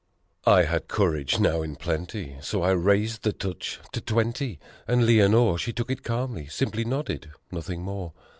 I had courage now in plenty, so I raised the touch to twenty, And Lenore, she took it calmly simply nodded, nothing more.